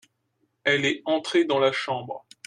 Elle est entrée dans la chambre.